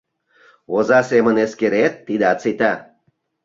— Оза семын эскерет — тидат сита.